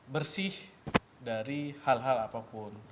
bersih dari hal hal apapun